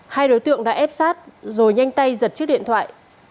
hai đối tượng đã ép sát rồi nhanh tay giật chiếc điện thoại